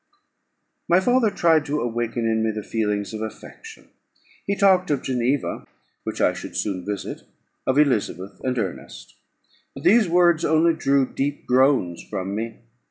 My father tried to awaken in me the feelings of affection. He talked of Geneva, which I should soon visit of Elizabeth and Ernest; but these words only drew deep groans from me.